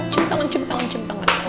cium tangan cium tangan cium tangan